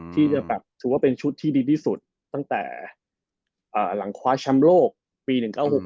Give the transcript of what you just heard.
ที่จะแบบถือว่าเป็นชุดที่ดีที่สุดตั้งแต่หลังคว้าแชมป์โลกปี๑๙๖